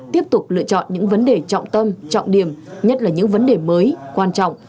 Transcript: tiếp tục lựa chọn những vấn đề trọng tâm trọng điểm nhất là những vấn đề mới quan trọng